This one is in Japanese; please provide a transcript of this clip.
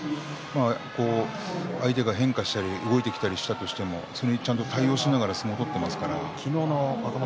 相手が変化したり動いてきたりしてもそれに対応しながら相撲を取っていますから。